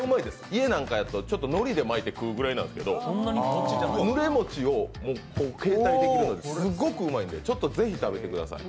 家だとのり巻いて食うぐらいなんですけど、ぬれ餅を携帯できるすっごくうまいんでちょっとぜひ食べてみてください。